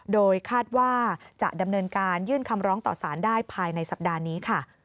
โดยคาดว่าจะดำเนินการยื่นคำร้องต่อสารได้ภายในสัปดาห์นี้ค่ะ